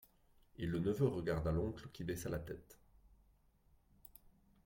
Et le neveu regarda l’oncle qui baissa la tête.